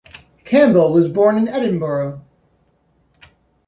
Campbell was born in Edinburgh.